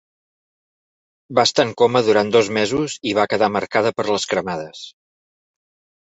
Va estar en coma durant dos mesos i va quedar marcada per les cremades.